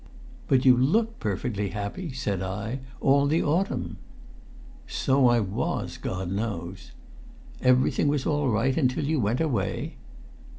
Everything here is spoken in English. "But you looked perfectly happy," said I, "all the autumn?" "So I was, God knows!" "Everything was all right until you went away?"